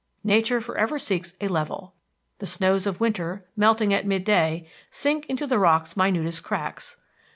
Nature forever seeks a level. The snows of winter, melting at midday, sink into the rocks' minutest cracks.